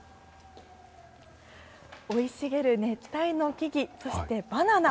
生い茂る熱帯の木々、そしてバナナ。